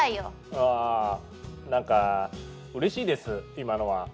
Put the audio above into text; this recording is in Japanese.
あぁなんかうれしいです今のは。